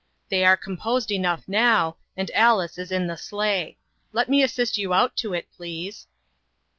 They are com posed enough now, and Alice is in the sleigh. Let me assist you out to it, please."